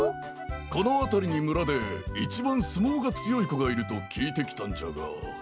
このあたりにむらでいちばんすもうがつよいこがいるときいてきたんじゃが。